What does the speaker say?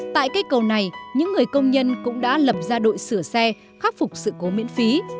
tại cây cầu này những người công nhân cũng đã lập ra đội sửa xe khắc phục sự cố miễn phí